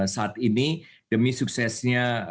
saat ini demi suksesnya